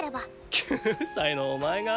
９歳のお前が？